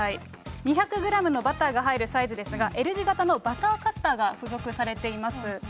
２００グラムのバターが入るサイズですが、Ｌ字形のバターカッターが付属されています。